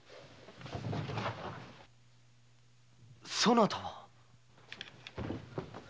そなたは？